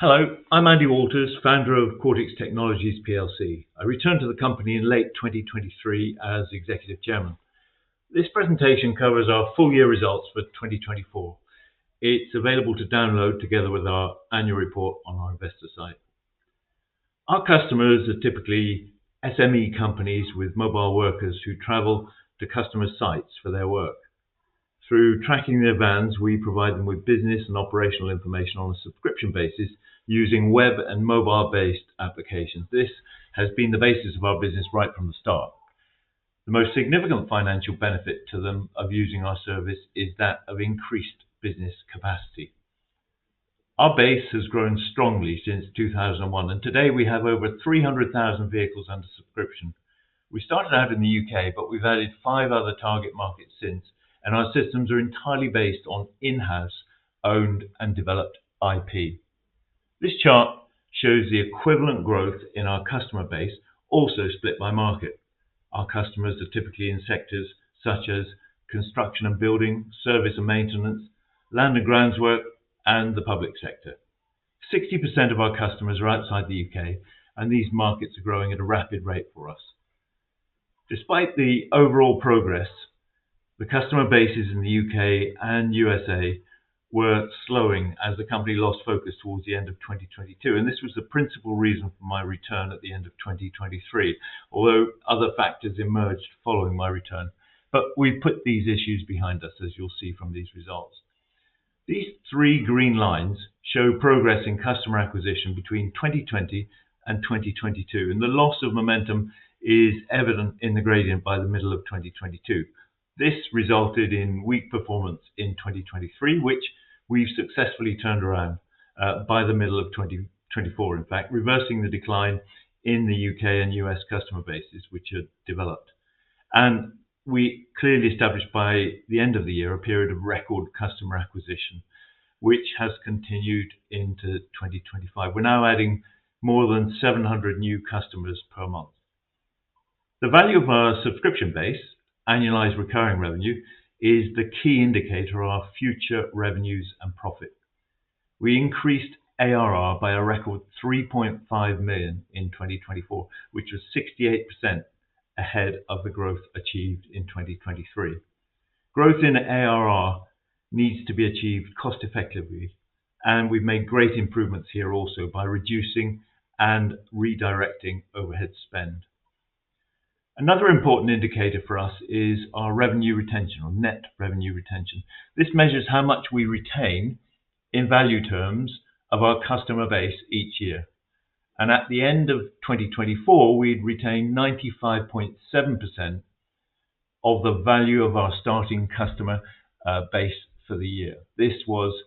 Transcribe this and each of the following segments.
Hello, I'm Andy Walters, founder of Quartix Technologies PLC. I returned to the company in late 2023 as Executive Chairman. This presentation covers our full-year results for 2024. It's available to download together with our annual report on our investor site. Our customers are typically SME companies with mobile workers who travel to customers' sites for their work. Through tracking their vans, we provide them with business and operational information on a subscription basis using web and mobile-based applications. This has been the basis of our business right from the start. The most significant financial benefit to them of using our service is that of increased business capacity. Our base has grown strongly since 2001, and today we have over 300,000 vehicles under subscription. We started out in the U.K but we've added five other target markets since, and our systems are entirely based on in-house owned and developed IP. This chart shows the equivalent growth in our customer base, also split by market. Our customers are typically in sectors such as construction and building, service and maintenance, land and groundworks, and the public sector. Sixty percent of our customers are outside the U.K, and these markets are growing at a rapid rate for us. Despite the overall progress, the customer bases in the U.K and U.S.A. were slowing as the company lost focus towards the end of 2022, and this was the principal reason for my return at the end of 2023, although other factors emerged following my return. We have put these issues behind us, as you'll see from these results. These three green lines show progress in customer acquisition between 2020 and 2022, and the loss of momentum is evident in the gradient by the middle of 2022. This resulted in weak performance in 2023, which we've successfully turned around by the middle of 2024, in fact, reversing the decline in the U.K and U.S. customer bases which had developed. We clearly established by the end of the year a period of record customer acquisition, which has continued into 2025. We're now adding more than 700 new customers per month. The value of our subscription base, Annualised Recurring Revenue, is the key indicator of our future revenues and profit. We increased ARR by a record 3.5 million in 2024, which was 68% ahead of the growth achieved in 2023. Growth in ARR needs to be achieved cost-effectively, and we've made great improvements here also by reducing and redirecting overhead spend. Another important indicator for us is our revenue retention, or Net Revenue Retention. This measures how much we retain in value terms of our customer base each year. At the end of 2024, we had retained 95.7% of the value of our starting customer base for the year. This was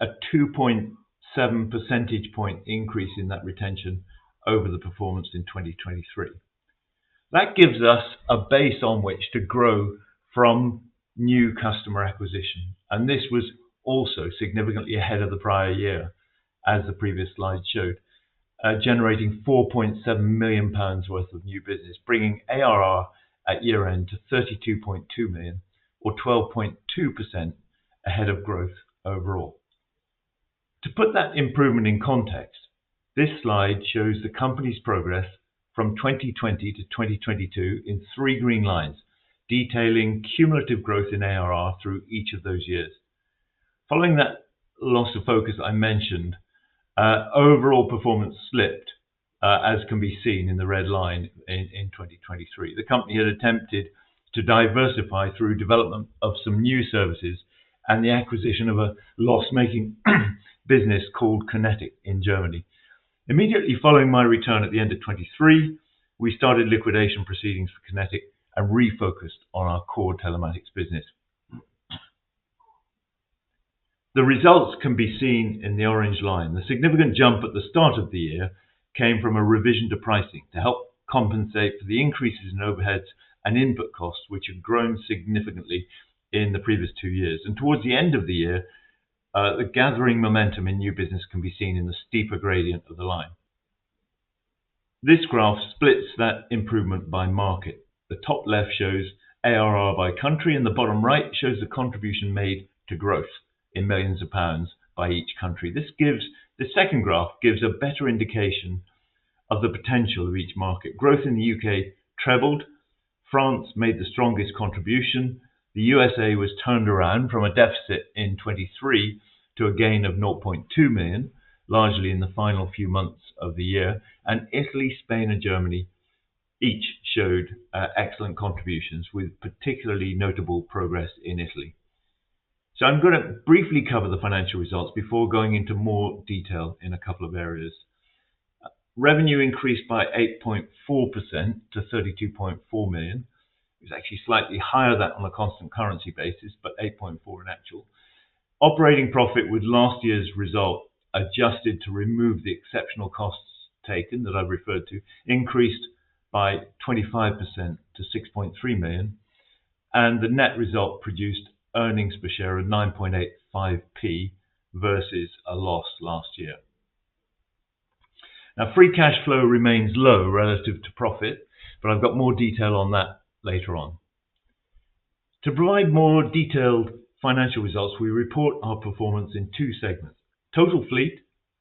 a 2.7 percentage point increase in that retention over the performance in 2023. That gives us a base on which to grow from new customer acquisition, and this was also significantly ahead of the prior year, as the previous slide showed, generating 4.7 million pounds worth of new business, bringing ARR at year-end to 32.2 million, or 12.2% ahead of growth overall. To put that improvement in context, this slide shows the company's progress from 2020 to 2022 in three green lines detailing cumulative growth in ARR through each of those years. Following that loss of focus I mentioned, overall performance slipped, as can be seen in the red line in 2023. The company had attempted to diversify through development of some new services and the acquisition of a loss-making business called Konetik in Germany. Immediately following my return at the end of 2023, we started liquidation proceedings for Konetik and refocused on our core telematics business. The results can be seen in the orange line. The significant jump at the start of the year came from a revision to pricing to help compensate for the increases in overheads and input costs, which have grown significantly in the previous two years. Towards the end of the year, the gathering momentum in new business can be seen in the steeper gradient of the line. This graph splits that improvement by market. The top left shows ARR by country, and the bottom right shows the contribution made to growth in millions of GBP by each country. This second graph gives a better indication of the potential of each market. Growth in the U.K trebled. France made the strongest contribution. The U.S.A. was turned around from a deficit in 2023 to a gain of 0.2 million, largely in the final few months of the year. Italy, Spain, and Germany each showed excellent contributions, with particularly notable progress in Italy. I am going to briefly cover the financial results before going into more detail in a couple of areas. Revenue increased by 8.4% to 32.4 million. It was actually slightly higher than on a constant currency basis, but 8.4% in actual. Operating profit, with last year's result adjusted to remove the exceptional costs taken that I have referred to, increased by 25% to 6.3 million, and the net result produced earnings per share of 9.85p versus a loss last year. Now, free cash flow remains low relative to profit, but I've got more detail on that later on. To provide more detailed financial results, we report our performance in two segments: Total Fleet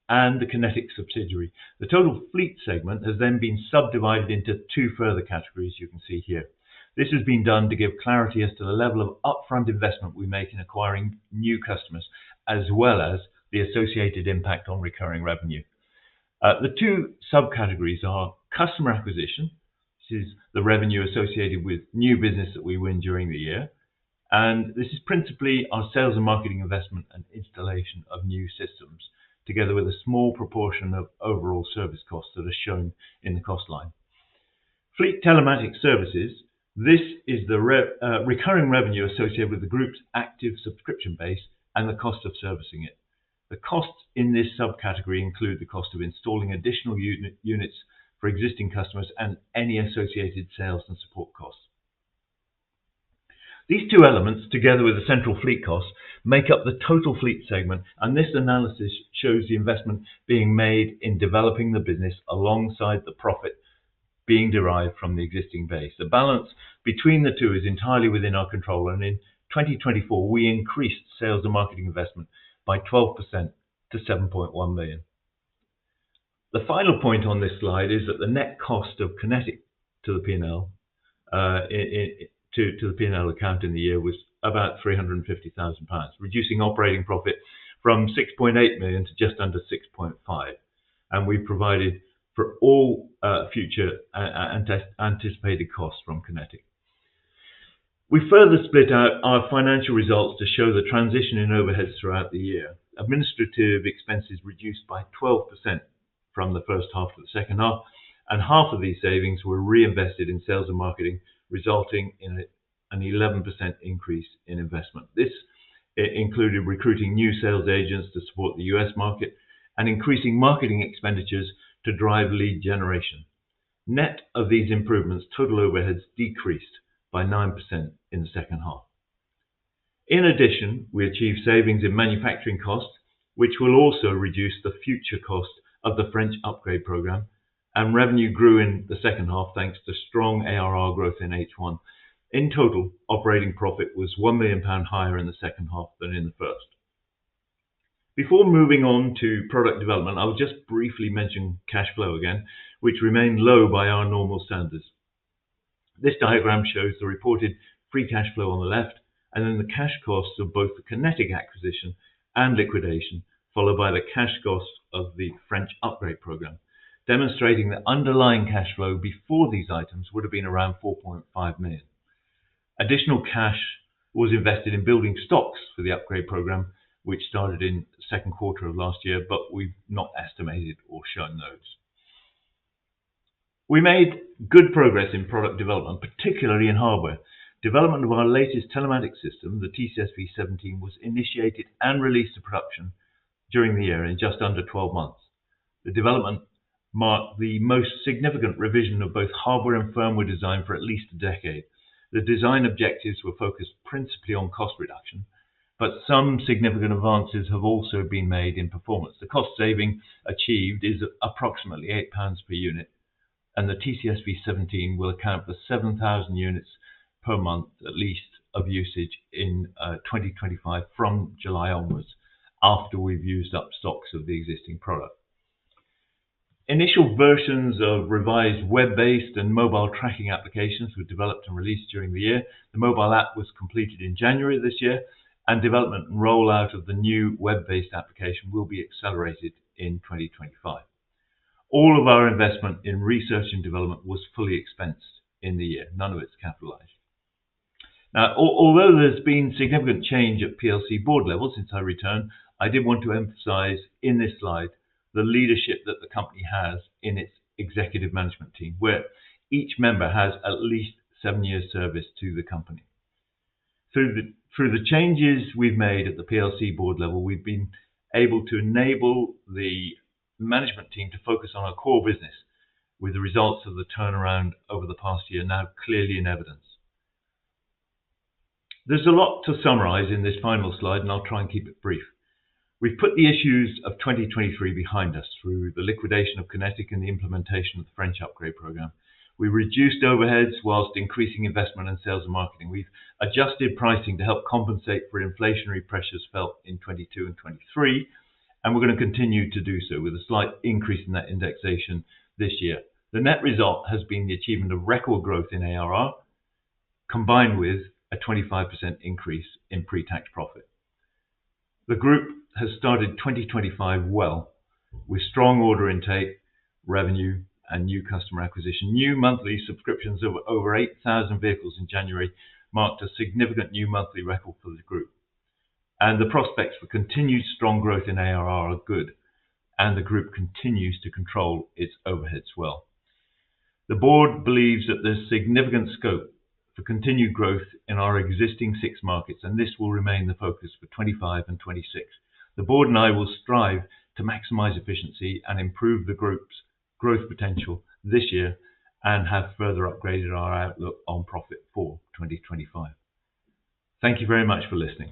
and the Konetik subsidiary. The Total Fleet segment has then been subdivided into two further categories you can see here. This has been done to give clarity as to the level of upfront investment we make in acquiring new customers, as well as the associated impact on recurring revenue. The two subcategories are customer acquisition. This is the revenue associated with new business that we win during the year, and this is principally our sales and marketing investment and installation of new systems, together with a small proportion of overall service costs that are shown in the cost line. Fleet Telematics Services, this is the recurring revenue associated with the group's active subscription base and the cost of servicing it. The costs in this subcategory include the cost of installing additional units for existing customers and any associated sales and support costs. These two elements, together with the central fleet costs, make up the Total Fleet segment, and this analysis shows the investment being made in developing the business alongside the profit being derived from the existing base. The balance between the two is entirely within our control, and in 2024, we increased sales and marketing investment by 12% to 7.1 million. The final point on this slide is that the net cost of Konetik to the P&L account in the year was about 350,000 pounds, reducing operating profit from 6.8 million to just under 6.5 million, and we've provided for all future anticipated costs from Konetik. We further split out our financial results to show the transition in overheads throughout the year. Administrative expenses reduced by 12% from the first half to the second half, and half of these savings were reinvested in sales and marketing, resulting in an 11% increase in investment. This included recruiting new sales agents to support the US market and increasing marketing expenditures to drive lead generation. Net of these improvements, total overheads decreased by 9% in the second half. In addition, we achieved savings in manufacturing costs, which will also reduce the future cost of the French upgrade program, and revenue grew in the second half thanks to strong ARR growth in H1. In total, operating profit was 1 million pound higher in the second half than in the first. Before moving on to product development, I'll just briefly mention cash flow again, which remained low by our normal standards. This diagram shows the reported free cash flow on the left, and then the cash costs of both the Konetik acquisition and liquidation, followed by the cash cost of the French upgrade program, demonstrating the underlying cash flow before these items would have been around 4.5 million. Additional cash was invested in building stocks for the upgrade program, which started in the second quarter of last year, but we've not estimated or shown those. We made good progress in product development, particularly in hardware. Development of our latest telematics system, the TCSV17, was initiated and released to production during the year in just under 12 months. The development marked the most significant revision of both hardware and firmware design for at least a decade. The design objectives were focused principally on cost reduction, but some significant advances have also been made in performance. The cost saving achieved is approximately 8 pounds per unit, and the TCSV17 will account for 7,000 units per month, at least, of usage in 2025 from July onwards, after we've used up stocks of the existing product. Initial versions of revised web-based and mobile tracking applications were developed and released during the year. The mobile app was completed in January this year, and development and rollout of the new web-based application will be accelerated in 2025. All of our investment in research and development was fully expensed in the year. None of it's capitalized. Now, although there's been significant change at PLC board level since our return, I did want to emphasize in this slide the leadership that the company has in its executive management team, where each member has at least seven years' service to the company. Through the changes we've made at the PLC board level, we've been able to enable the management team to focus on our core business, with the results of the turnaround over the past year now clearly in evidence. There's a lot to summarize in this final slide, and I'll try and keep it brief. We've put the issues of 2023 behind us through the liquidation of Konetik and the implementation of the French upgrade program. We reduced overheads whilst increasing investment in sales and marketing. We've adjusted pricing to help compensate for inflationary pressures felt in 2022 and 2023, and we're going to continue to do so with a slight increase in that indexation this year. The net result has been the achievement of record growth in ARR, combined with a 25% increase in pre-tax profit. The group has started 2025 well with strong order intake, revenue, and new customer acquisition. New monthly subscriptions of over 8,000 vehicles in January marked a significant new monthly record for the group, and the prospects for continued strong growth in ARR are good, and the group continues to control its overheads well. The board believes that there's significant scope for continued growth in our existing six markets, and this will remain the focus for 2025 and 2026. The board and I will strive to maximize efficiency and improve the group's growth potential this year and have further upgraded our outlook on profit for 2025. Thank you very much for listening.